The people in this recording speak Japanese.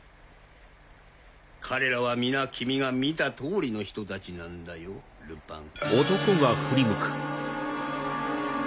彼らは皆君が見た通りの人たちなんだよルパン。